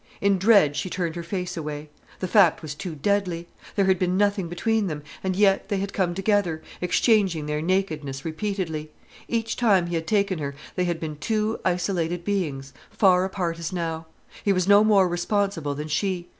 In dread she turned her face away. The fact was too deadly. There had been nothing between them, and yet they had come together, exchanging their nakedness repeatedly. Each time he had taken her, they had been two isolated beings, far apart as now. He was no more responsible than she.